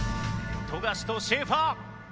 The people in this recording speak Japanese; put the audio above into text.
富樫とシェーファー！